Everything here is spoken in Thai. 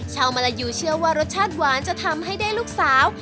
มะลายูเชื่อว่ารสชาติหวานจะทำให้ได้ลูกสาว